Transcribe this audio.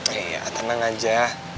eh ya tenang aja